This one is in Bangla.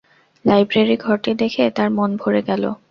লাইব্রেরি-ঘরটি দেখে তাঁর মন ভরে গেল।